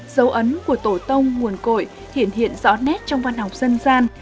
dấu ấn của tổ tông nguồn cội thể hiện rõ nét trong văn học dân gian